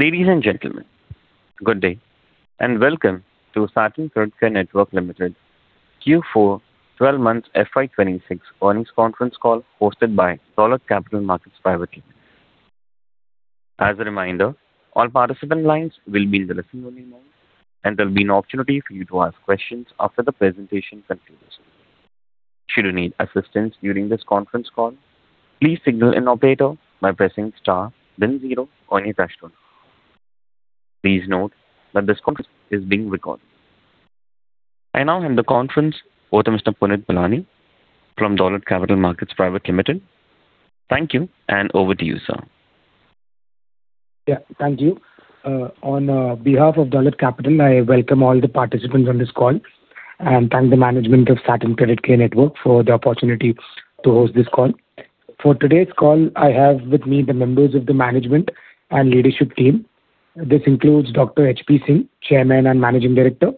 Ladies and gentlemen, good day, and welcome to Satin Creditcare Network Limited Q4 12 months FY 2026 earnings conference call hosted by Dolat Capital Market Private Limited. As a reminder, all participant lines will be in the listen-only mode, there'll be an opportunity for you to ask questions after the presentation concludes. Should you need assistance during this conference call, please signal an operator by pressing star then zero on your touch-tone. Please note that this conference is being recorded. I now hand the conference over to Mr. Punit Bahlani from Dolat Capital Market Private Limited. Thank you, over to you, sir. Yeah, thank you. On behalf of Dolat Capital, I welcome all the participants on this call and thank the management of Satin Creditcare Network for the opportunity to host this call. For today's call, I have with me the members of the management and leadership team. This includes Dr. HP Singh, Chairman and Managing Director;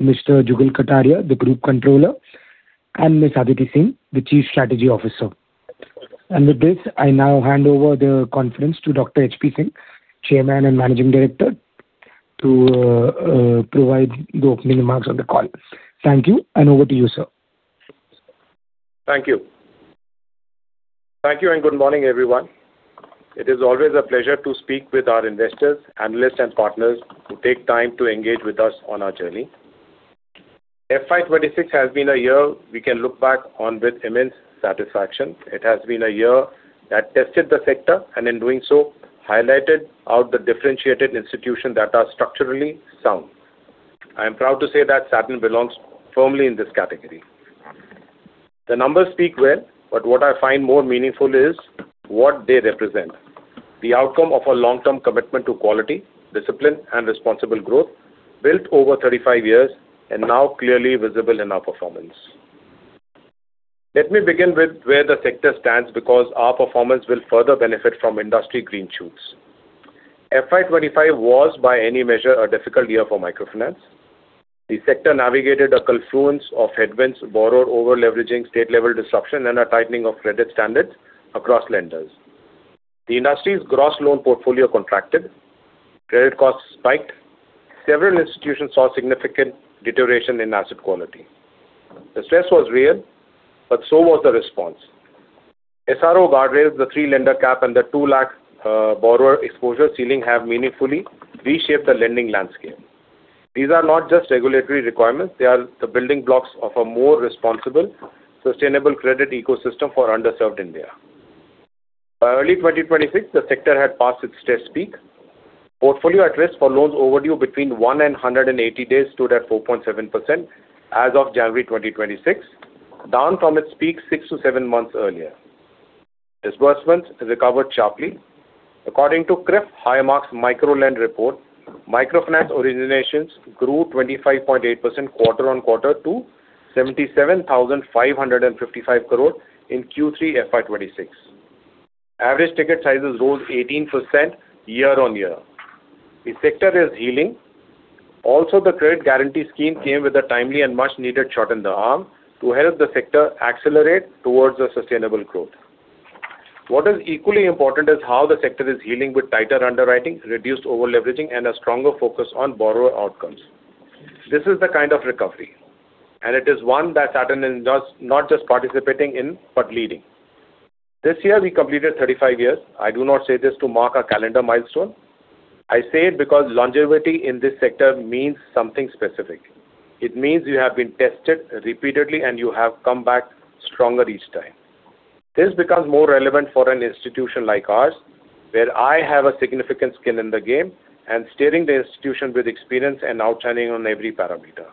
Mr. Jugal Kataria, Group Controller; and Ms. Aditi Singh, Chief Strategy Officer. With this, I now hand over the conference to Dr. HP Singh, Chairman and Managing Director, to provide the opening remarks on the call. Thank you, and over to you, sir. Thank you. Thank you. Good morning, everyone. It is always a pleasure to speak with our investors, analysts, and partners who take time to engage with us on our journey. FY 2026 has been a year we can look back on with immense satisfaction. It has been a year that tested the sector, and in doing so, highlighted out the differentiated institution that are structurally sound. I am proud to say that Satin belongs firmly in this category. The numbers speak well, but what I find more meaningful is what they represent. The outcome of a long-term commitment to quality, discipline, and responsible growth built over 35 years and now clearly visible in our performance. Let me begin with where the sector stands because our performance will further benefit from industry green shoots. FY 2025 was by any measure a difficult year for microfinance. The sector navigated a confluence of headwinds, borrower overleveraging, state-level disruption, and a tightening of credit standards across lenders. The industry's gross loan portfolio contracted. Credit costs spiked. Several institutions saw significant deterioration in asset quality. The stress was real, but so was the response. SRO guardrails, the three-lender cap, and the 2 lakh borrower exposure ceiling have meaningfully reshaped the lending landscape. These are not just regulatory requirements, they are the building blocks of a more responsible, sustainable credit ecosystem for underserved India. By early 2026, the sector had passed its stress peak. Portfolio at risk for loans overdue between one and 180 days stood at 4.7% as of January 2026, down from its peak six to seven months earlier. Disbursement recovered sharply. According to CRIF High Mark's MicroLend report, microfinance originations grew 25.8% quarter-over-quarter to INR 77,555 crore in Q3 FY 2026. Average ticket sizes rose 18% year-over-year. The sector is healing. The credit guarantee scheme came with a timely and much-needed shot in the arm to help the sector accelerate towards a sustainable growth. What is equally important is how the sector is healing with tighter underwriting, reduced overleveraging, and a stronger focus on borrower outcomes. This is the kind of recovery, it is one that Satin is not just participating in, but leading. This year we completed 35 years. I do not say this to mark a calendar milestone. I say it because longevity in this sector means something specific. It means you have been tested repeatedly, and you have come back stronger each time. This becomes more relevant for an institution like ours, where I have a significant skin in the game and steering the institution with experience and outshining on every parameter.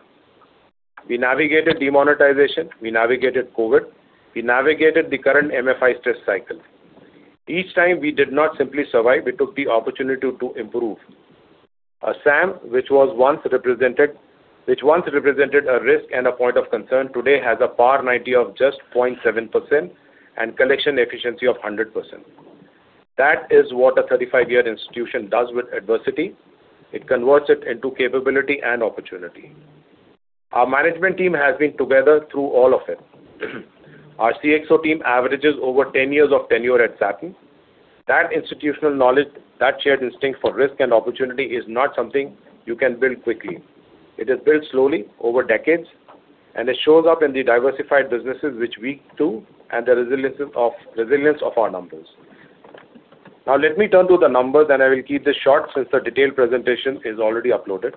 We navigated demonetization. We navigated COVID. We navigated the current MFI stress cycle. Each time we did not simply survive, we took the opportunity to improve. Assam which once represented a risk and a point of concern, today has a PAR 90 of just 0.7% and collection efficiency of 100%. That is what a 35-year institution does with adversity. It converts it into capability and opportunity. Our management team has been together through all of it. Our CXO team averages over 10 years of tenure at Satin. That institutional knowledge, that shared instinct for risk and opportunity is not something you can build quickly. It is built slowly over decades. It shows up in the diversified businesses which we do and the resilience of our numbers. Let me turn to the numbers. I will keep this short since the detailed presentation is already uploaded.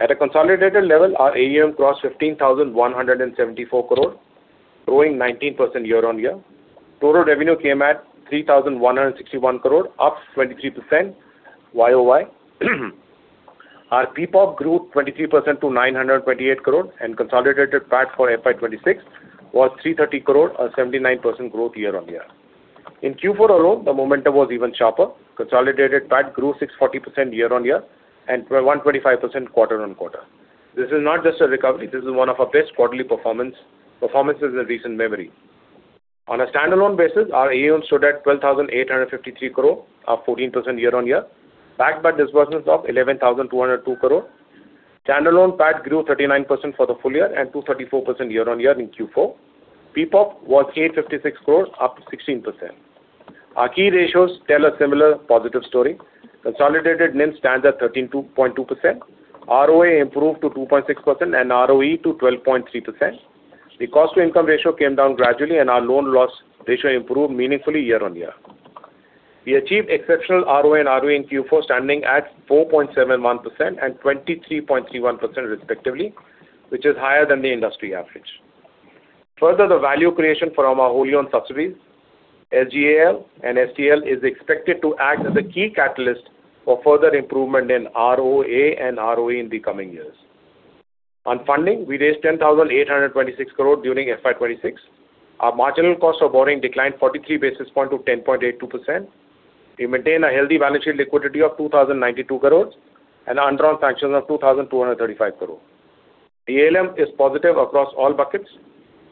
At a consolidated level, our AUM crossed 15,174 crore, growing 19% year-on-year. Total revenue came at 3,161 crore, up 23% YOY. Our PPOP grew 23% to 928 crore. Consolidated PAT for FY 2026 was 330 crore, a 79% growth year-on-year. In Q4 alone, the momentum was even sharper. Consolidated PAT grew 640% year-on-year and 125% quarter-on-quarter. This is not just a recovery. This is one of our best quarterly performances in recent memory. On a standalone basis, our AUM stood at 12,853 crore, up 14% year-on-year, backed by disbursements of 11,202 crore. Standalone PAT grew 39% for the full year and 234% year-on-year in Q4. PPOP was 856 crore, up 16%. Our key ratios tell a similar positive story. Consolidated NIM stands at 13.2%. ROA improved to 2.6% and ROE to 12.3%. The cost to income ratio came down gradually and our loan loss ratio improved meaningfully year-on-year. We achieved exceptional ROA and ROE in Q4, standing at 4.71% and 23.31% respectively, which is higher than the industry average. The value creation from our wholly owned subsidiaries, SGAL and STL, is expected to act as a key catalyst for further improvement in ROA and ROE in the coming years. On funding, we raised 10,826 crore during FY 2026. Our marginal cost of borrowing declined 43 basis points to 10.82%. We maintain a healthy balance sheet liquidity of 2,092 crore and undrawn sanctions of 2,235 crore. The ALM is positive across all buckets.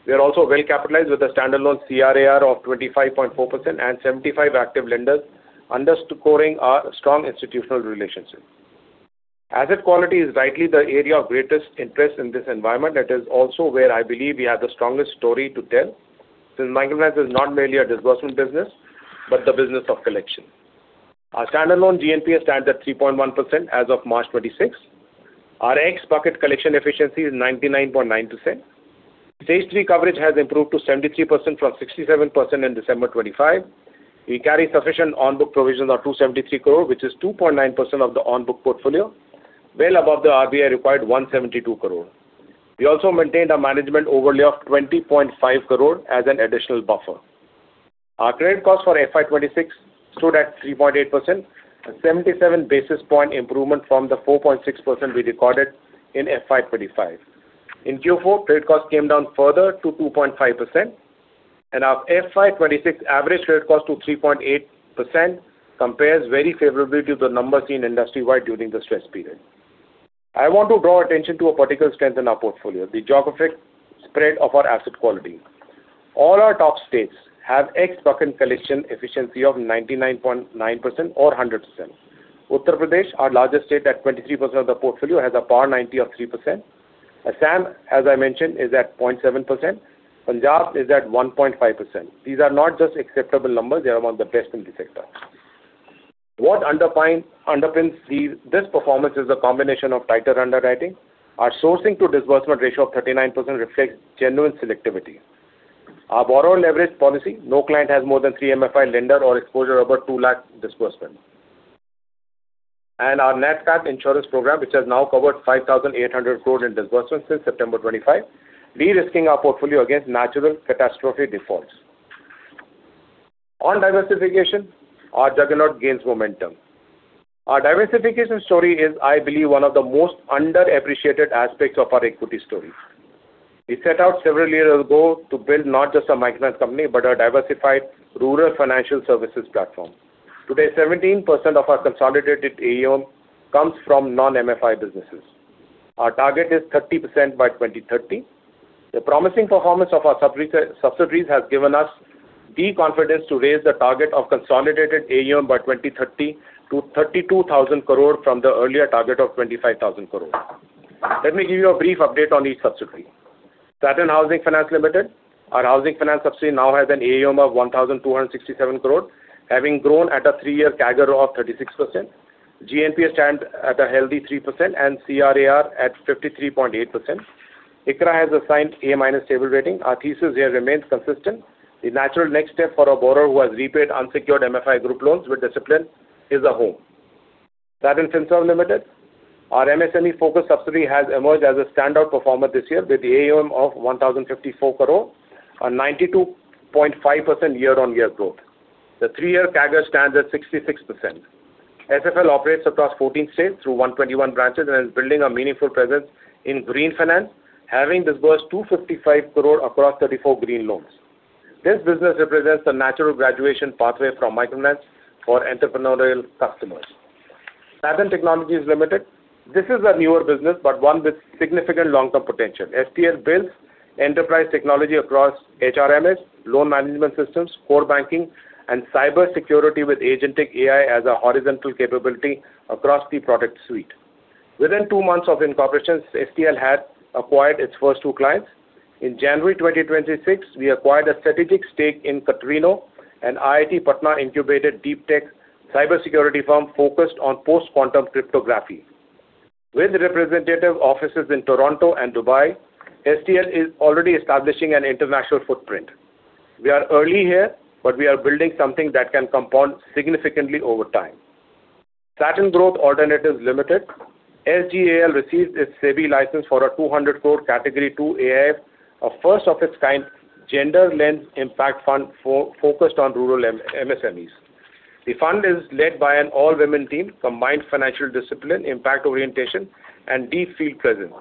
We are also well-capitalized with a standalone CRAR of 25.4% and 75 active lenders, underscoring our strong institutional relationship. Asset quality is rightly the area of greatest interest in this environment. That is also where I believe we have the strongest story to tell, since Microfinance is not merely a disbursement business, but the business of collection. Our standalone GNPA stands at 3.1% as of March 2026. Our ex-bucket collection efficiency is 99.9%. Stage three coverage has improved to 73% from 67% in December 2025. We carry sufficient on-book provisions of 273 crore, which is 2.9% of the on-book portfolio, well above the RBI required 172 crore. We also maintained a management overlay of 20.5 crore as an additional buffer. Our credit cost for FY 2026 stood at 3.8%, a 77 basis point improvement from the 4.6% we recorded in FY 2025. In Q4, credit cost came down further to 2.5%. Our FY 2026 average credit cost to 3.8% compares very favorably to the numbers seen industry-wide during the stress period. I want to draw attention to a particular strength in our portfolio, the geographic spread of our asset quality. All our top states have ex-bucket collection efficiency of 99.9% or 100%. Uttar Pradesh, our largest state at 23% of the portfolio, has a PAR 90 of 3%. Assam, as I mentioned, is at 0.7%. Punjab is at 1.5%. These are not just acceptable numbers, they are among the best in the sector. What underpins this performance is a combination of tighter underwriting. Our sourcing to disbursement ratio of 39% reflects genuine selectivity. Our borrow and leverage policy, no client has more than three MFI lender or exposure above 2 lakh disbursement. Our NatCat insurance program, which has now covered 5,800 crore in disbursements since September 25, de-risking our portfolio against natural catastrophe defaults. On diversification, our juggernaut gains momentum. Our diversification story is, I believe, one of the most underappreciated aspects of our equity story. We set out several years ago to build not just a microfinance company, but a diversified rural financial services platform. Today, 17% of our consolidated AUM comes from non-MFI businesses. Our target is 30% by 2030. The promising performance of our subsidiaries has given us the confidence to raise the target of consolidated AUM by 2030 to 32,000 crore from the earlier target of 25,000 crore. Let me give you a brief update on each subsidiary. Satin Housing Finance Limited. Our housing finance subsidiary now has an AUM of 1,267 crore, having grown at a three-year CAGR of 36%. GNPA stands at a healthy 3% and CRAR at 53.8%. ICRA has assigned A- stable rating. Our thesis here remains consistent. The natural next step for a borrower who has repaid unsecured MFI group loans with discipline is a home. Satin Finserv Limited. Our MSME-focused subsidiary has emerged as a standout performer this year with AUM of 1,054 crore, a 92.5% year-on-year growth. The three-year CAGR stands at 66%. SFL operates across 14 states through 121 branches and is building a meaningful presence in green finance, having disbursed 255 crore across 34 green loans. This business represents the natural graduation pathway from microfinance for entrepreneurial customers. Satin Technologies Limited. This is a newer business, but one with significant long-term potential. STL builds enterprise technology across HRMS, loan management systems, core banking, and cybersecurity with agentic AI as a horizontal capability across the product suite. Within two months of incorporation, STL has acquired its first two clients. In January 2026, we acquired a strategic stake in Katrino, an IIT Patna incubated deep tech cybersecurity firm focused on post-quantum cryptography. With representative offices in Toronto and Dubai, STL is already establishing an international footprint. We are early here, but we are building something that can compound significantly over time. Satin Growth Alternatives Limited. SGAL received its SEBI license for a 200 crore Category II AIF, a first of its kind gender lens impact fund focused on rural MSMEs. The fund is led by an all-women team, combined financial discipline, impact orientation, and deep field presence.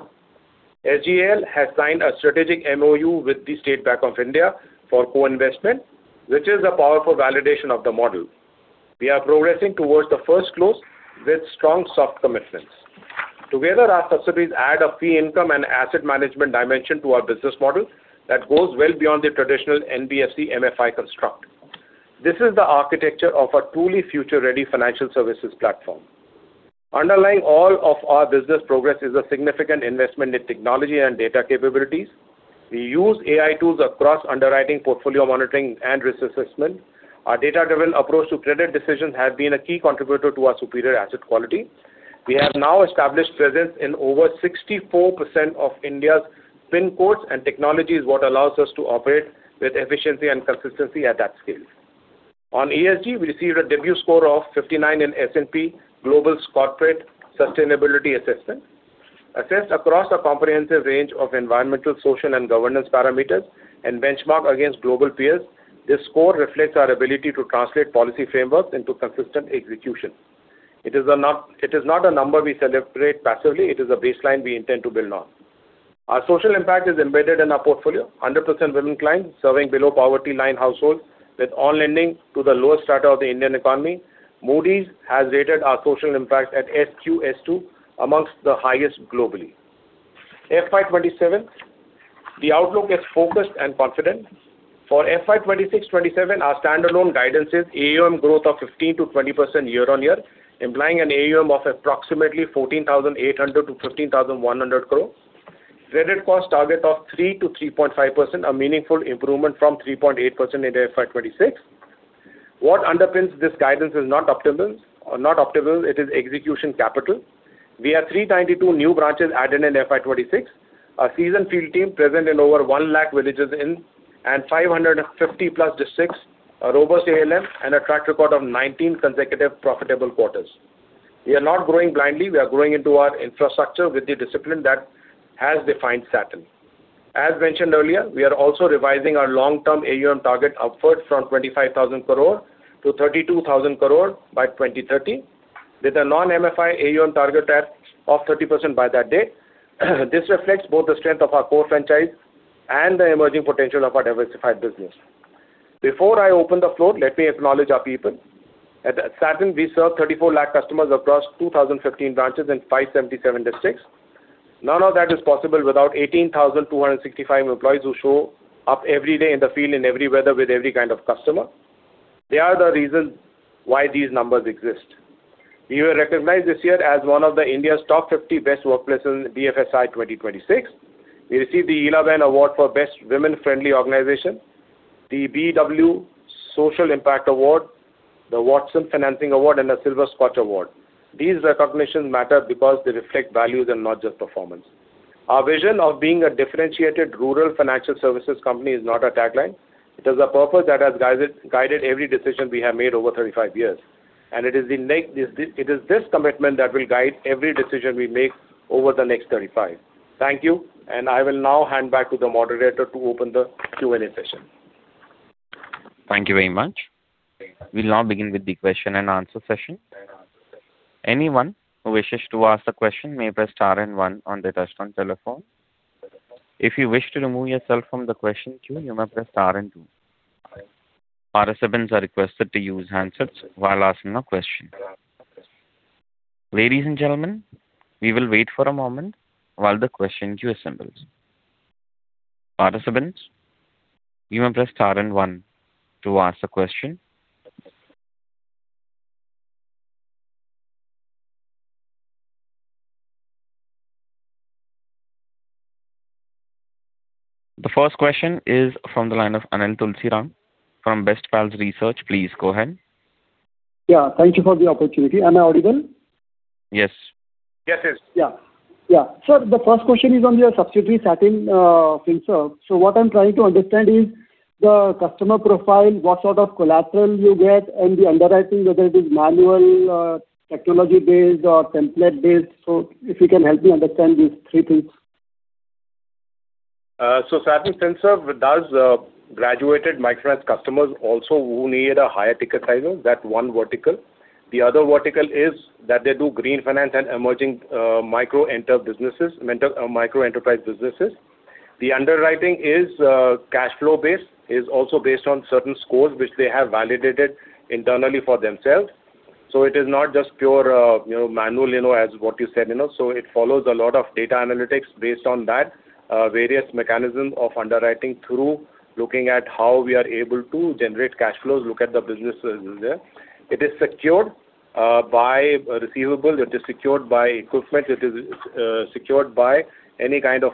SGAL has signed a strategic MoU with the State Bank of India for co-investment, which is a powerful validation of the model. We are progressing towards the first close with strong soft commitments. Together, our subsidiaries add a fee income and asset management dimension to our business model that goes well beyond the traditional NBFC MFI construct. This is the architecture of a truly future-ready financial services platform. Underlying all of our business progress is a significant investment in technology and data capabilities. We use AI tools across underwriting, portfolio monitoring, and risk assessment. Our data-driven approach to credit decisions has been a key contributor to our superior asset quality. We have now established presence in over 64% of India's pin codes, and technology is what allows us to operate with efficiency and consistency at that scale. On ESG, we received a debut score of 59 in S&P Global's corporate sustainability assessment. Assessed across a comprehensive range of environmental, social, and governance parameters and benchmarked against global peers, this score reflects our ability to translate policy frameworks into consistent execution. It is not a number we celebrate passively, it is a baseline we intend to build on. Our social impact is embedded in our portfolio. 100% women clients serving below poverty line households, with all lending to the lowest strata of the Indian economy. Moody's has rated our social impact at SQS2 amongst the highest globally. FY 2027, the outlook is focused and confident. For FY 2026-2027, our standalone guidance is AUM growth of 15%-20% YOY, implying an AUM of approximately 14,800 crore-15,100 crore. Credit cost target of 3%-3.5%, a meaningful improvement from 3.8% in FY 2026. What underpins this guidance is not optimal, not optimal, it is execution capital. We have 392 new branches added in FY 2026. Our seasoned field team present in over 1 lakh villages in and 550-plus districts, a robust ALM and a track record of 19 consecutive profitable quarters. We are not growing blindly, we are growing into our infrastructure with the discipline that has defined Satin. As mentioned earlier, we are also revising our long-term AUM target upward from 25,000 crore to 32,000 crore by 2030, with a non-MFI AUM target of 30% by that date. This reflects both the strength of our core franchise and the emerging potential of our diversified business. Before I open the floor, let me acknowledge our people. At Satin, we serve 34 lakh customers across 2,015 branches in 577 districts. None of that is possible without 18,265 employees who show up every day in the field, in every weather, with every kind of customer. They are the reason why these numbers exist. We were recognized this year as one of the India's top 50 best workplaces in the BFSI 2026. We received the Elaben Award for Best Women-Friendly Organization, the BW Social Impact Award, the Watson Financing Award, and a Silver SKOCH Award. These recognitions matter because they reflect values and not just performance. Our vision of being a differentiated rural financial services company is not a tagline. It is a purpose that has guided every decision we have made over 35 years. It is this commitment that will guide every decision we make over the next 35. Thank you. I will now hand back to the moderator to open the Q&A session. Thank you very much. We'll now begin with the question and answer session. Anyone who wishes to ask a question may press star and one on the touchtone telephone. If you wish to remove yourself from the question queue, you may press star and two. Participants are requested to use handsets while asking a question. Ladies and gentlemen, we will wait for a moment while the question queue assembles. Participants, you may press star and one to ask a question. The first question is from the line of Anil Tulsiram from Bestpals Research. Please go ahead. Yeah, thank you for the opportunity. Am I audible? Yes. Yes, yes. Yeah, yeah. Sir, the first question is on your subsidiary, Satin Finserv. What I'm trying to understand is the customer profile, what sort of collateral you get and the underwriting, whether it is manual, technology-based or template-based. If you can help me understand these three things. Satin Finserv does graduated microfinance customers also who need a higher ticket sizing. That's one vertical. The other vertical is that they do green finance and emerging microenterprise businesses. The underwriting is cash flow based. It's also based on certain scores which they have validated internally for themselves. It is not just pure, you know, manual, you know, as what you said, you know. It follows a lot of data analytics based on that, various mechanisms of underwriting through looking at how we are able to generate cash flows, look at the businesses there. It is secured by receivable. It is secured by equipment. It is secured by any kind of,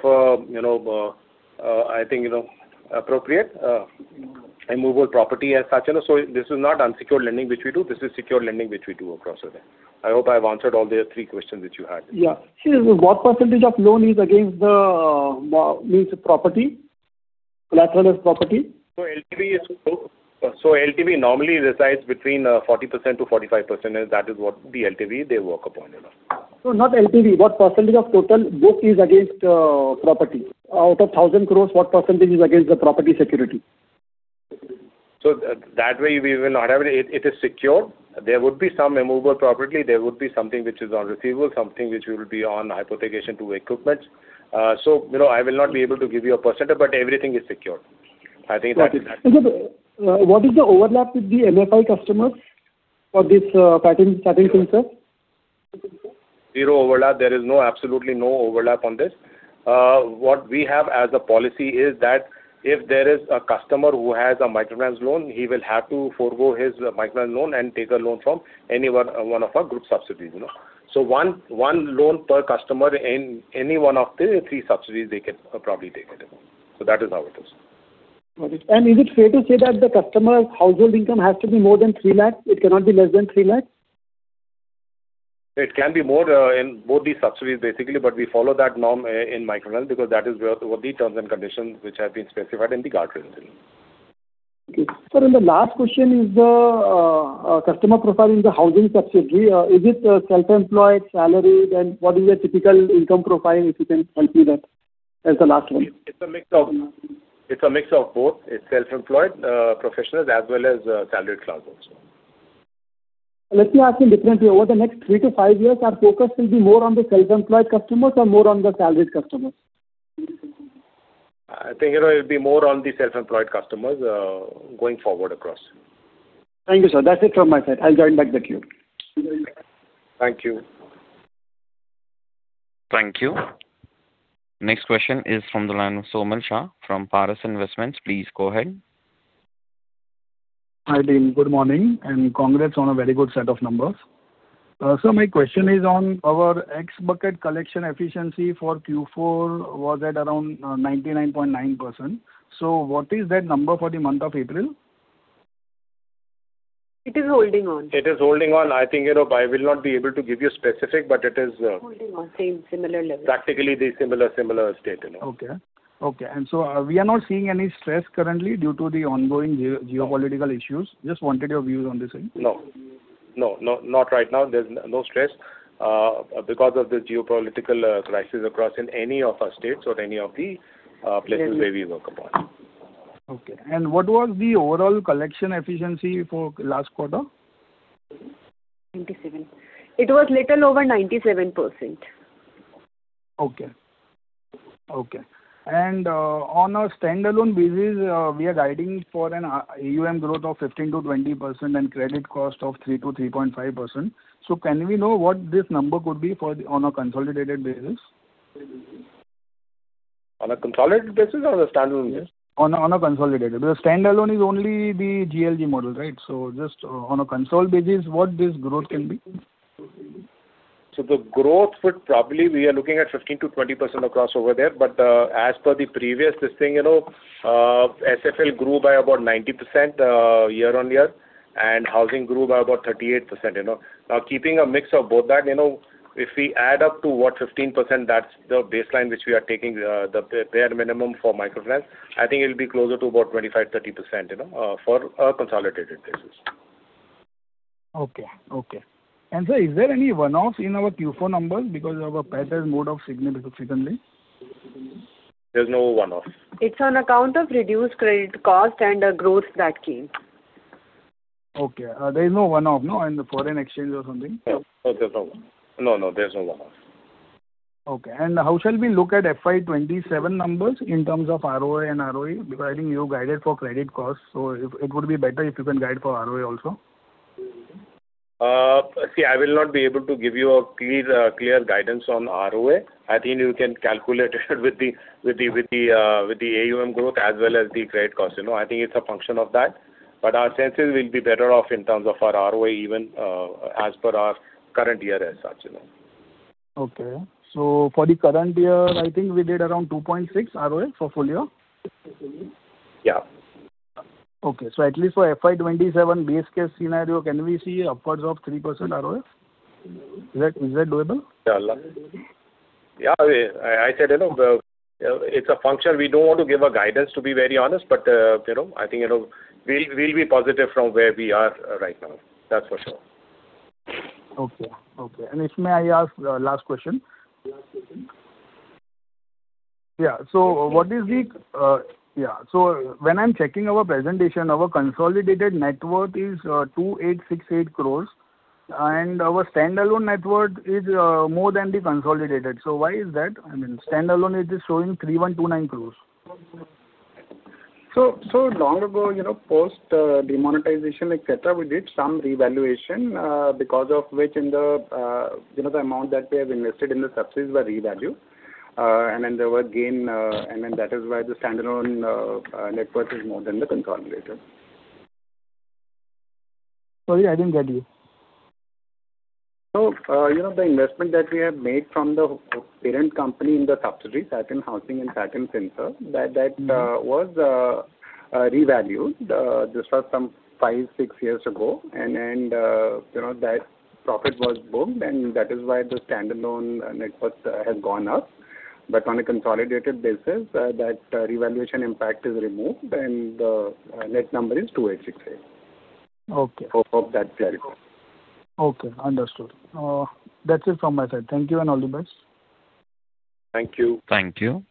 you know, I think, you know, appropriate immovable property as such. This is not unsecured lending which we do. This is secured lending which we do across it. I hope I have answered all the three questions which you had. Yeah. See, What percentage of loan is against the, means property, collateral is property? LTV normally resides between 40%-45%. That is what the LTV they work upon, you know. Not LTV. What percentage of total book is against property? Out of 1,000 crore, what percentage is against the property security? That way we will not have it. It is secure. There would be some immovable property. There would be something which is on receivable, something which will be on hypothecation to equipment. you know, I will not be able to give you a percentage, but everything is secured. Okay. What is the overlap with the MFI customers for this, Satin Finserv? Zero overlap. There is no, absolutely no overlap on this. What we have as a policy is that if there is a customer who has a microfinance loan, he will have to forego his microfinance loan and take a loan from anyone, one of our group subsidiaries, you know. One loan per customer in any one of the three subsidiaries they can probably take it. That is how it is. Got it. Is it fair to say that the customer household income has to be more than 3 lakh? It cannot be less than 3 lakh. It can be more in both the subsidiaries basically. We follow that norm in microfinance because that is where the terms and conditions which have been specified in the guidelines. Okay. Sir, the last question is the customer profile in the housing subsidiary. Is it self-employed, salaried, and what is your typical income profile, if you can help me with that as the last one? It's a mix of both. It's self-employed professionals as well as salaried class also. Let me ask you differently. Over the next three to five years, our focus will be more on the self-employed customers or more on the salaried customers? I think, you know, it'll be more on the self-employed customers, going forward across. Thank you, sir. That's it from my side. I'll join back the queue. Thank you. Thank you. Next question is from the line of Saumil Shah from Paras Investments. Please go ahead. Hi, team. Good morning, and congrats on a very good set of numbers. My question is on our X-bucket collection efficiency for Q4 was at around 99.9%. What is that number for the month of April? It is holding on. It is holding on. I think, you know, I will not be able to give you specific, but it is. Holding on same similar level. Practically the similar state, you know. Okay. Are we not seeing any stress currently due to the ongoing geopolitical issues? Just wanted your views on the same. No. No, no, not right now. There's no stress, because of the geopolitical crisis across in any of our states or any of the places where we work upon. Okay. What was the overall collection efficiency for last quarter? 97. It was little over 97%. Okay. On a standalone basis, we are guiding for an AUM growth of 15%-20% and credit cost of 3%-3.5%. Can we know what this number could be for the on a consolidated basis? On a consolidated basis or a standalone basis? On a consolidated basis. Because standalone is only the JLG model, right? Just on a consolidated basis, what this growth can be? The growth would probably we are looking at 15%-20% across over there, but as per the previous testing, you know, SFL grew by about 90% YOY, and housing grew by about 38%, you know. Keeping a mix of both that, you know, if we add up to what, 15%, that's the baseline which we are taking, the bare minimum for microfinance. I think it'll be closer to about 25%-30%, you know, for our consolidated basis. Okay. Okay. Sir, is there any one-offs in our Q4 numbers because our PAT has moved up significantly? There's no one-off. It's on account of reduced credit cost and growth that came. Okay. There is no one-off, no, in the foreign exchange or something? No. No, there's no one-off. No, there's no one-off. Okay. How shall we look at FY 2027 numbers in terms of ROA and ROE? I think you guided for credit costs, so if it would be better if you can guide for ROE also. See, I will not be able to give you a clear guidance on ROA. I think you can calculate with the AUM growth as well as the credit cost, you know. I think it's a function of that. Our senses will be better off in terms of our ROE even as per our current year as such, you know. Okay. For the current year, I think we did around 2.6 ROA for full year. Yeah. Okay. at least for FY 2027 base case scenario, can we see upwards of 3% ROA? Is that doable? Yeah. Yeah, I said, you know, the, it's a function. We don't want to give a guidance, to be very honest, you know, I think, you know, we'll be positive from where we are right now. That's for sure. Okay. Okay. If may I ask the last question? When I am checking our presentation, our consolidated net worth is 2,868 crore, and our standalone net worth is more than the consolidated. Why is that? I mean, standalone it is showing 3,129 crore. Long ago, you know, post demonetization, et cetera, we did some revaluation, because of which in the, you know, the amount that we have invested in the subsidiaries were revalued. There were gain, and then that is why the standalone net worth is more than the consolidated. Sorry, I didn't get you. You know, the investment that we have made from the parent company in the subsidiaries, that in Housing and that in FinServ, that was revalued just for some five, six years ago. Then, you know, that profit was booked and that is why the standalone net worth has gone up. On a consolidated basis, that revaluation impact is removed and net number is 2,868. Okay. Hope that's clear. Okay, understood. That's it from my side. Thank you and all the best. Thank you. Thank you.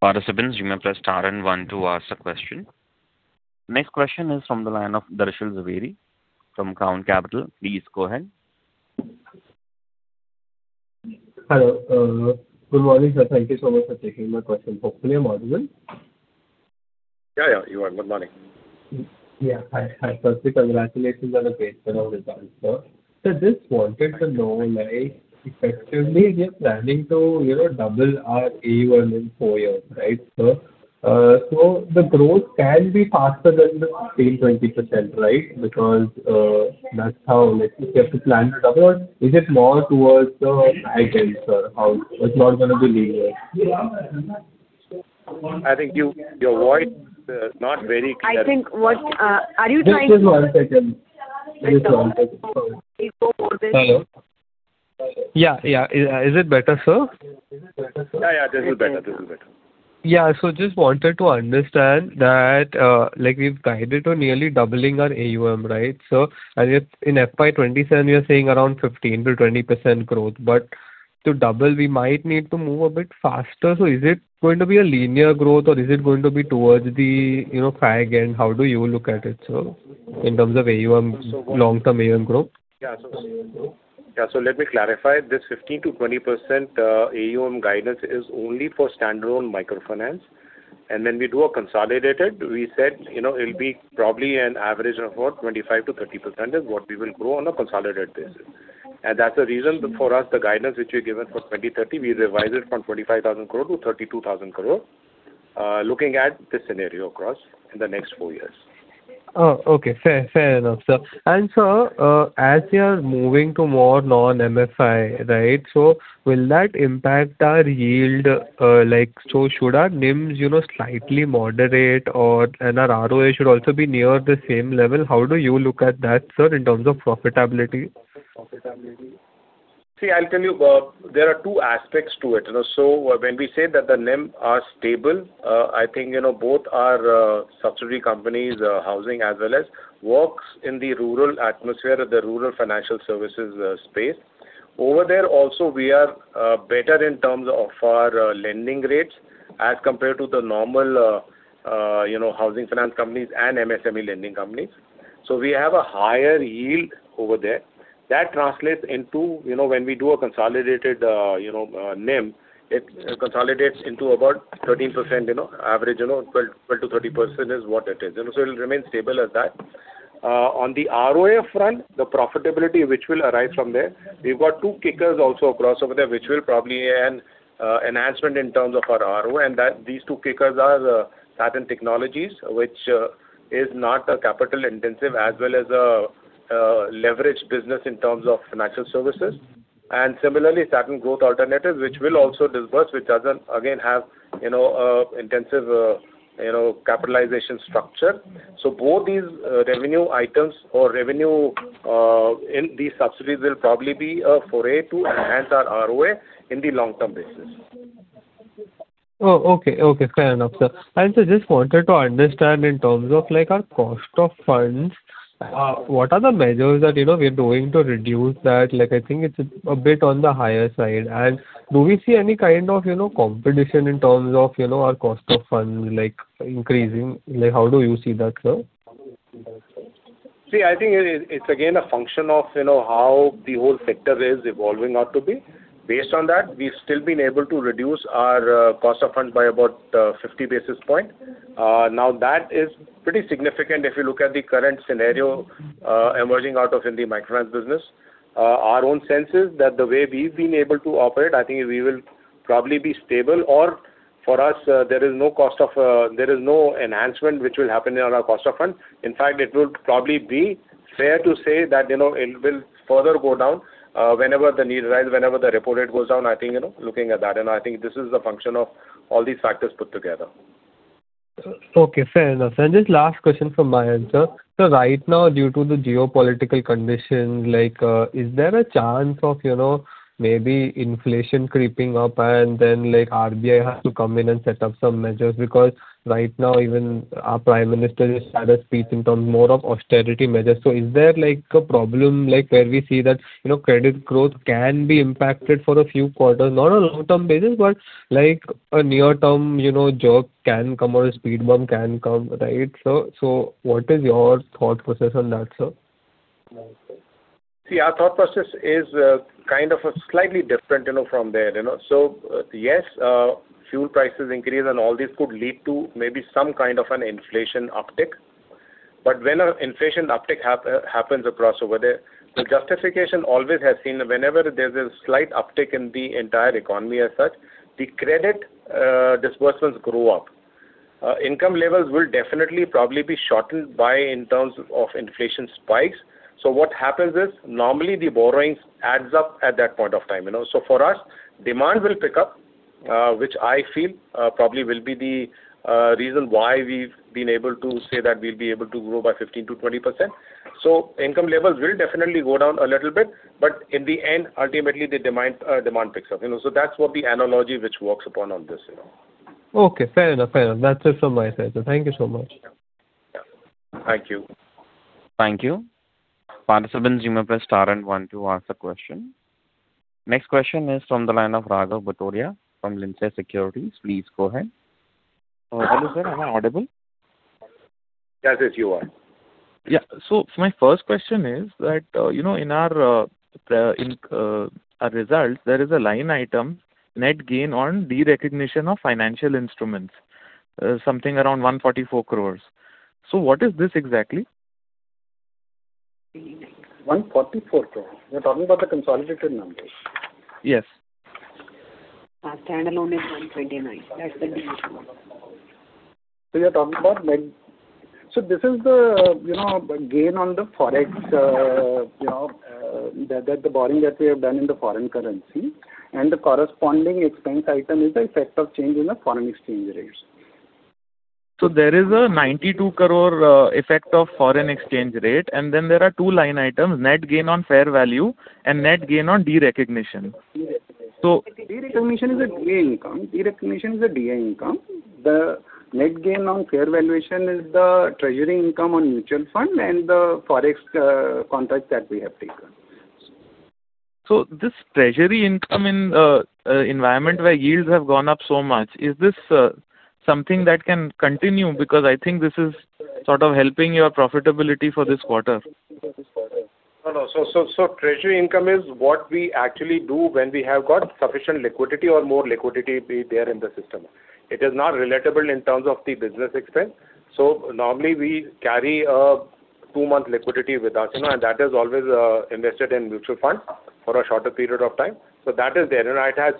Participants, you may press star and one to ask a question. Next question is from the line of Darshan Jhaveri from Crown Capital. Please go ahead. Hello. Good morning, sir. Thank you so much for taking my question. Hope you're doing well. Yeah, yeah. We are. Good morning. Hi. Hi. Firstly, congratulations on the great set of results, sir. Just wanted to know, like, effectively we are planning to, you know, double our AUM in four years, right, sir? The growth can be faster than the 15, 20%, right? Because that's how like we have to plan it. Is it more towards the high end, sir? How? It's not gonna be linear. I think your voice is not very clear. I think what. Just one second. Just one second. Before this. Hello. Yeah. Is it better, sir? Is it better, sir? Yeah, yeah. This is better. This is better. Yeah. Just wanted to understand that, like we've guided to nearly doubling our AUM, right? And yet in FY 2027 you're saying around 15%-20% growth, but to double we might need to move a bit faster. Is it going to be a linear growth or is it going to be towards the, you know, high end? How do you look at it, sir, in terms of AUM, long-term AUM growth? Let me clarify. This 15%-20% AUM guidance is only for standalone microfinance. When we do a consolidated, we said, you know, it will be probably an average of about 25%-30% is what we will grow on a consolidated basis. That's the reason for us, the guidance which we have given for 2030, we revised it from 25,000 crore-32,000 crore, looking at this scenario across in the next four years. Oh, okay. Fair. Fair enough, sir. As we are moving to more non-MFI, right? Will that impact our yield? Should our NIMs, you know, slightly moderate or, and our ROA should also be near the same level? How do you look at that, sir, in terms of profitability? I'll tell you. There are two aspects to it, you know. When we say that the NIM are stable, I think, you know, both our subsidiary companies, housing as well as works in the rural atmosphere or the rural financial services space. Over there also we are better in terms of our lending rates as compared to the normal, you know, housing finance companies and MSME lending companies. We have a higher yield over there. That translates into, you know, when we do a consolidated, you know, NIM, it consolidates into about 13%, you know, average, you know, 12%-13% is what it is. You know, it'll remain stable as that. On the ROA front, the profitability which will arise from there, we've got two kickers also across over there, which will probably add enhancement in terms of our ROA, and that these two kickers are the Satin Technologies, which is not a capital intensive as well as a leverage business in terms of financial services. Similarly, Satin Growth Alternatives, which will also disperse, which doesn't again have, you know, intensive, you know, capitalization structure. Both these, revenue items or revenue, in these subsidies will probably be a foray to enhance our ROA in the long-term basis. Oh, okay. Okay. Fair enough, sir. Sir, just wanted to understand in terms of like our cost of funds, what are the measures that, you know, we are doing to reduce that? I think it's a bit on the higher side. Do we see any kind of, you know, competition in terms of, you know, our cost of funds like increasing? How do you see that, sir? See, I think it's again a function of, you know, how the whole sector is evolving out to be. Based on that, we've still been able to reduce our cost of funds by about 50 basis points. Now that is pretty significant if you look at the current scenario emerging out of in the microfinance business. Our own sense is that the way we've been able to operate, I think we will probably be stable or for us, there is no cost of, there is no enhancement which will happen in our cost of funds. In fact, it would probably be fair to say that, you know, it will further go down whenever the need arise, whenever the repo rate goes down, I think, you know, looking at that. I think this is the function of all these factors put together. Okay, fair enough. Just last question from my end, sir. Right now due to the geopolitical condition like, is there a chance of, you know, maybe inflation creeping up and then RBI has to come in and set up some measures? Right now even our prime minister has had a speech in terms more of austerity measures. Is there like a problem where we see that, you know, credit growth can be impacted for a few quarters? Not on a long-term basis, but a near-term, you know, jerk can come or a speed bump can come, right, sir? What is your thought process on that, sir? Our thought process is kind of a slightly different, you know, from there, you know. Yes, fuel prices increase and all this could lead to maybe some kind of an inflation uptick. When an inflation uptick happens across over there, the justification always has been whenever there's a slight uptick in the entire economy as such, the credit disbursements grow up. Income levels will definitely probably be shortened by in terms of inflation spikes. What happens is normally the borrowings adds up at that point of time, you know. For us, demand will pick up, which I feel probably will be the reason why we've been able to say that we'll be able to grow by 15%-20%. Income levels will definitely go down a little bit, but in the end, ultimately the demand picks up, you know. That's what the analogy which works upon on this, you know. Okay, fair enough. Fair enough. That's it from my side, sir. Thank you so much. Yeah. Thank you. Thank you. Participants, you may press star and 1 to ask a question. Next question is from the line of Raghav Bhutoria from Lindsay Securities. Please go ahead. Hello, sir. Am I audible? Yes, yes, you are. My first question is that, you know, in our results, there is a line item, net gain on de-recognition of financial instruments, something around 144 crore. What is this exactly? 144 crore. You're talking about the consolidated numbers? Yes. Our standalone is 129. That's the big number. You're talking about this is the, you know, gain on the Forex, you know, the borrowing that we have done in the foreign currency and the corresponding expense item is the effect of change in the foreign exchange rates. There is a 92 crore effect of foreign exchange rate, and then there are two line items, net gain on fair value and net gain on derecognition. Derecognition. So- Derecognition is a gain income. Derecognition is a gain income. The net gain on fair valuation is the treasury income on mutual fund and the Forex contract that we have taken. This treasury income in a environment where yields have gone up so much, is this something that can continue? I think this is sort of helping your profitability for this quarter. No, no. Treasury income is what we actually do when we have got sufficient liquidity or more liquidity be there in the system. It is not relatable in terms of the business expense. Normally we carry a two-month liquidity with us, you know, and that is always invested in mutual funds for a shorter period of time. That is there. It has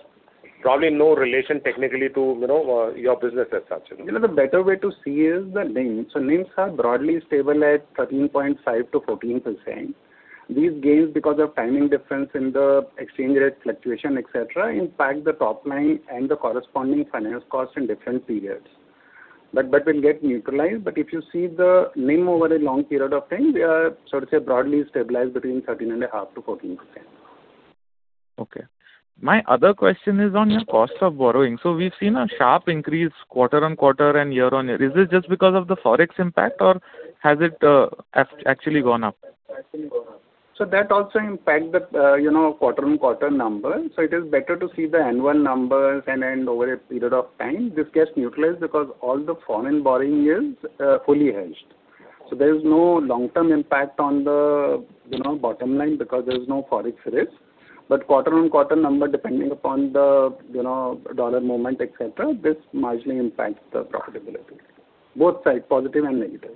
probably no relation technically to, you know, your business as such. You know, the better way to see is the NIM. NIMs are broadly stable at 13.5% to 14%. These gains because of timing difference in the exchange rate fluctuation, et cetera, impact the top line and the corresponding finance cost in different periods. That will get neutralized. If you see the NIM over a long period of time, they are, so to say, broadly stabilized between 13.5%-14%. Okay. My other question is on your cost of borrowing. We've seen a sharp increase quarter-on-quarter and year-on-year. Is it just because of the Forex impact or has it actually gone up? Actually gone up. That also impacts the, you know, quarter-on-quarter number. It is better to see the annual numbers, and then over a period of time. This gets neutralized because all the foreign borrowing is fully hedged. There is no long-term impact on the, you know, bottom line because there is no Forex risk. Quarter-on-quarter number, depending upon the, you know, dollar movement, et cetera, this marginally impacts the profitability. Both sides, positive and negative.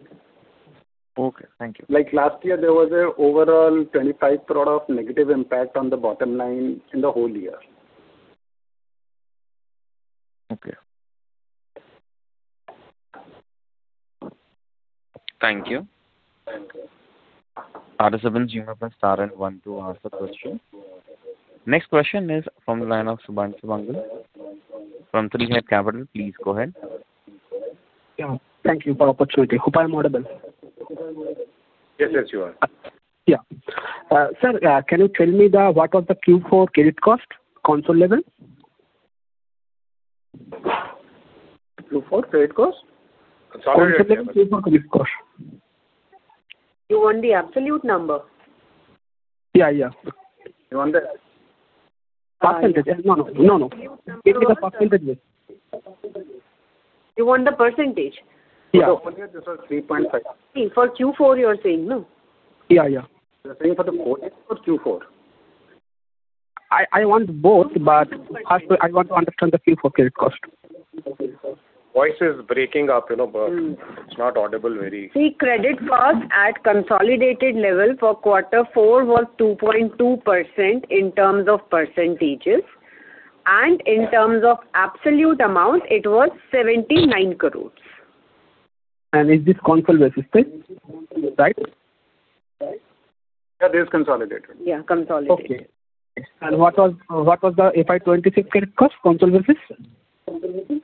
Okay. Thank you. Last year, there was an overall 25 crore of negative impact on the bottom line in the whole year. Okay. Thank you. Thank you. Next question is from the line of Subhanu Bangal from 3 Head Capital. Please go ahead. Yeah. Thank you for opportunity. Hope I am audible. Yes, yes, you are. Yeah. Sir, can you tell me what was the Q4 credit cost consolidated level? Q4 credit cost? Sorry, I didn't get. Console level Q4 credit cost. You want the absolute number? Yeah, yeah. You want the-. Percentage. No, no. No, no. It is the percentage. You want the percentage? Yeah. For here this was 3.5. See, for Q4 you are saying, no? Yeah, yeah. You're saying for the quarter or Q4? I want both, but first I want to understand the Q4 credit cost. Voice is breaking up, you know. It's not audible. See, credit cost at consolidated level for quarter four was 2.2% in terms of percentages. In terms of absolute amount it was 79 crore. Is this consol basis? Yeah, this is consolidated. Yeah, consolidated. Okay. What was the FY 2026 credit cost consol basis? Consol basis. 3.55%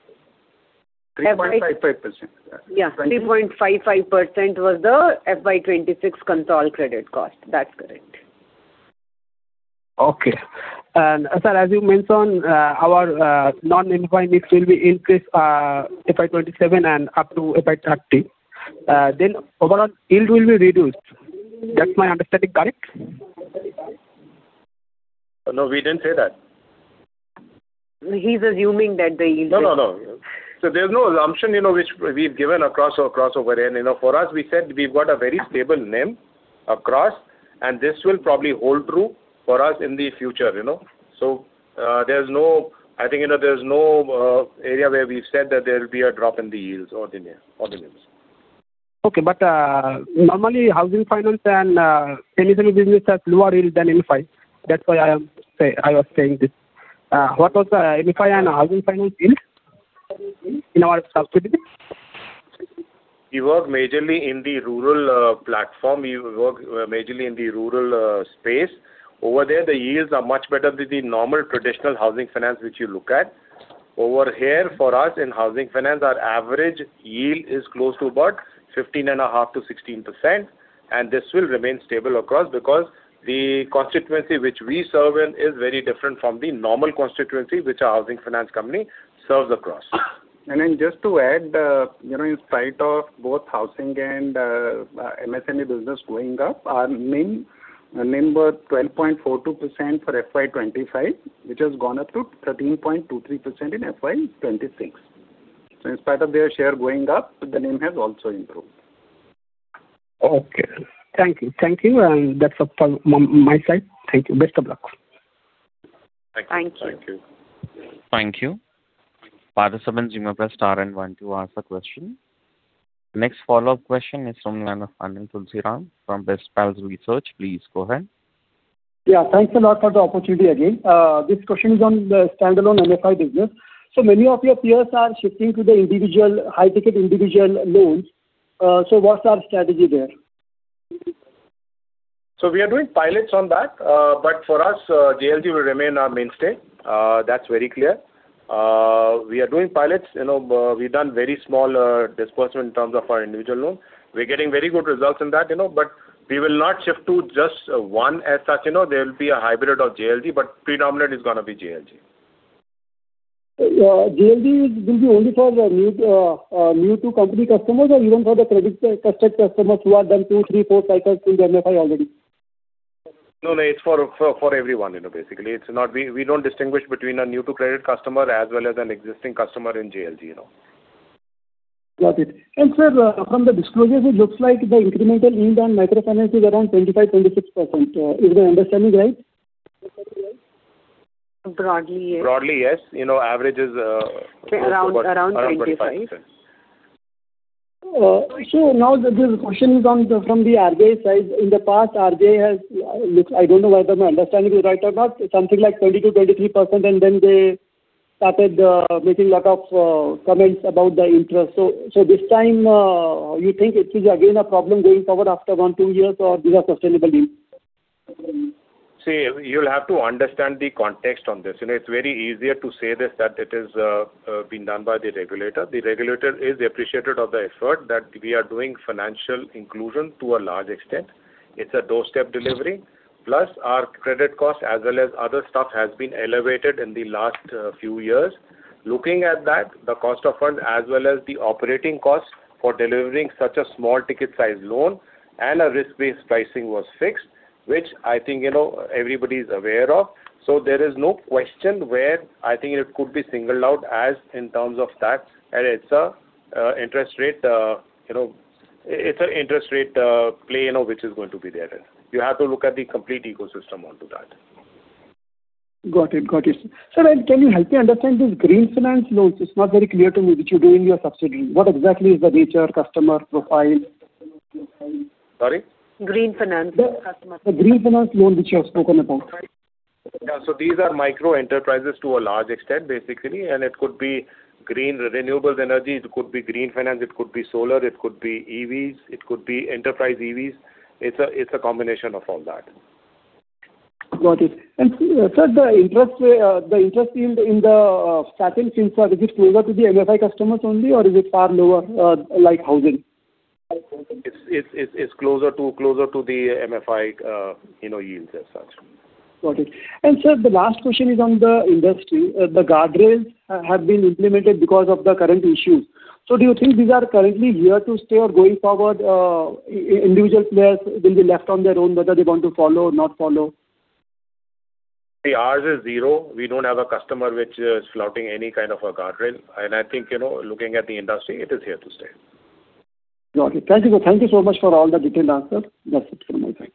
Yeah. 3.55% was the FY 2026 consol credit cost. That's correct. Okay. Sir, as you mentioned, our non-NII mix will be increased, FY 2027 and up to FY 2030. Overall yield will be reduced. That's my understanding. Correct? No, we didn't say that. He's assuming that the yield. No, no. There's no assumption, you know, which we've given across or crossover end. You know, for us, we said we've got a very stable NIM across, and this will probably hold true for us in the future, you know. There's no area where we've said that there will be a drop in the yields or the NIM, or the NIMs. Okay. Normally housing finance and MSME business has lower yield than NII. That's why I was saying this. What was the NII and housing finance yield in our subsidiary? We work majorly in the rural platform. We work majorly in the rural space. Over there, the yields are much better than the normal traditional housing finance which you look at. Over here, for us in housing finance, our average yield is close to about 15.5%-16%, and this will remain stable across because the constituency which we serve in is very different from the normal constituency which our housing finance company serves across. Just to add, you know, in spite of both housing and MSME business going up, our NIM was 12.42% for FY 2025, which has gone up to 13.23% in FY 2026. In spite of their share going up, the NIM has also improved. Okay. Thank you. Thank you, and that's all from my side. Thank you. Best of luck. Thank you. Thank you. Thank you. Participant's email address star and one to ask a question. Next follow-up question is from the line of Anil Tulsiram from BestPals Research. Please go ahead. Yeah. Thanks a lot for the opportunity again. This question is on the standalone MFI business. Many of your peers are shifting to the individual, high-ticket individual loans. What's our strategy there? We are doing pilots on that. For us, JLG will remain our mainstay. That is very clear. We are doing pilots. You know, we've done very small disbursement in terms of our individual loan. We're getting very good results in that, you know, but we will not shift to just one as such, you know. There will be a hybrid of JLG, but predominant is gonna be JLG. JLG will be only for the new to company customers or even for the credit customers who have done two, three, four cycles through the MFI already? No, it's for everyone, you know, basically. It's not We don't distinguish between a new to credit customer as well as an existing customer in JLG, you know. Got it. Sir, from the disclosures, it looks like the incremental yield on microfinance is around 25%-26%. Is my understanding right? Broadly, yes. Broadly, yes. You know, average is. Around 25. around 25, yes. Now the question is on from the RBI side. In the past, RBI has looks I don't know whether my understanding is right or not. Something like 20%-23% and then they started making lot of comments about the interest. This time, you think it is again a problem going forward after one, two years or these are sustainable yields? You'll have to understand the context on this. You know, it's very easier to say this that it is being done by the regulator. The regulator is appreciative of the effort that we are doing financial inclusion to a large extent. It's a doorstep delivery. Our credit cost as well as other stuff has been elevated in the last few years. Looking at that, the cost of funds as well as the operating costs for delivering such a small ticket size loan and a risk-based pricing was fixed, which I think, you know, everybody's aware of. There is no question where I think it could be singled out as in terms of that. It's a interest rate, you know, it's an interest rate play, you know, which is going to be there. You have to look at the complete ecosystem onto that. Got it. Sir, can you help me understand these green finance loans? It's not very clear to me which you're doing your subsidy. What exactly is the nature, customer profile? Sorry? Green finance customer profile. The green finance loan which you have spoken about. Yeah. These are micro-enterprises to a large extent, basically, and it could be green renewables energy, it could be green finance, it could be solar, it could be EVs, it could be enterprise EVs. It's a combination of all that. Got it. Sir, the interest, the interest yield in the Satin Finserv, is it closer to the MFI customers only or is it far lower, like housing? It's closer to the MFI, you know, yields as such. Got it. Sir, the last question is on the industry. The guardrails have been implemented because of the current issue. Do you think these are currently here to stay or going forward, individual players will be left on their own whether they want to follow or not follow? Ours is 0. We don't have a customer which is flouting any kind of a guardrail. I think, you know, looking at the industry, it is here to stay. Got it. Thank you. Thank you so much for all the detailed answers. That's it from my side.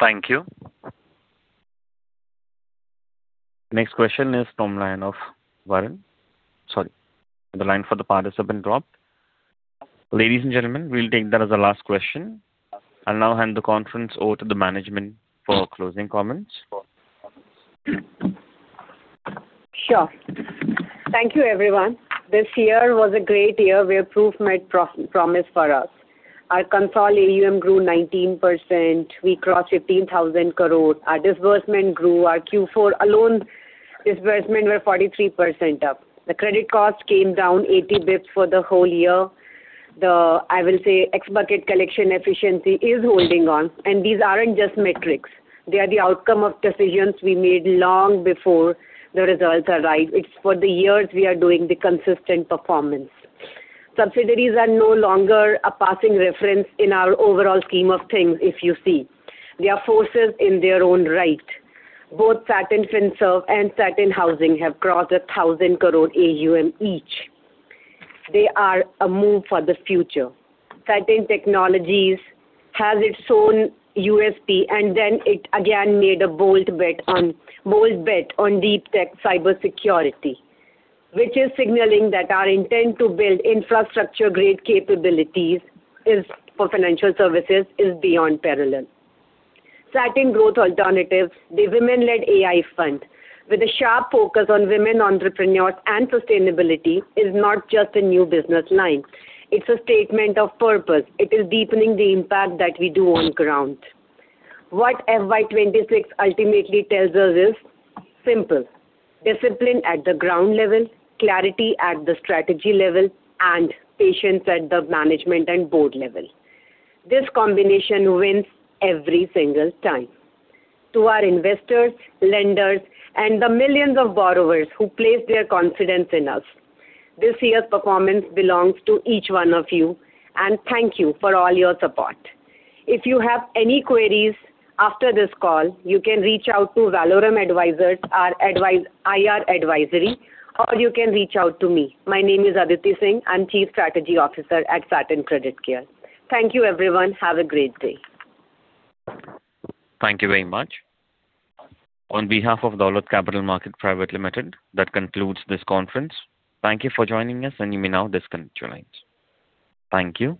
Thank you. Thank you. Next question is from line of Varun. Sorry. The line for the participant dropped. Ladies and gentlemen, we'll take that as a last question. I'll now hand the conference over to the management for closing comments. Sure. Thank you, everyone. This year was a great year where proof met pro-promise for us. Our consol AUM grew 19%. We crossed 15,000 crore. Our disbursement grew. Our Q4 alone disbursement were 43% up. The credit cost came down 80 basis points for the whole year. I will say, ex-bucket collection efficiency is holding on. These aren't just metrics. They are the outcome of decisions we made long before the results arrived. It's for the years we are doing the consistent performance. Subsidiaries are no longer a passing reference in our overall scheme of things, if you see. They are forces in their own right. Both Satin Finserv and Satin Housing have crossed 1,000 crore AUM each. They are a move for the future. Satin Technologies has its own USP, and then it again made a bold bet on deep tech cybersecurity, which is signaling that our intent to build infrastructure-grade capabilities is, for financial services, is beyond parallel. Satin Growth Alternatives, the women-led AI fund with a sharp focus on women entrepreneurs and sustainability, is not just a new business line. It's a statement of purpose. It is deepening the impact that we do on ground. What FY 2026 ultimately tells us is simple: discipline at the ground level, clarity at the strategy level, and patience at the management and board level. This combination wins every single time. To our investors, lenders, and the millions of borrowers who place their confidence in us, this year's performance belongs to each one of you, and thank you for all your support. If you have any queries after this call, you can reach out to Valorem Advisors, our IR advisory, or you can reach out to me. My name is Aditi Singh. I'm Chief Strategy Officer at Satin Creditcare. Thank you everyone. Have a great day. Thank you very much. On behalf of Dolat Capital Market Private Limited, that concludes this conference. Thank you for joining us, and you may now disconnect your lines. Thank you.